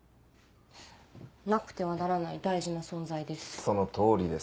なくてはならない大事な存在です。